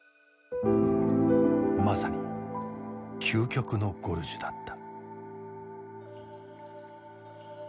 まさに究極のゴルジュだった。